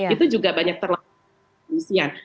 itu juga banyak terlalu berlebihan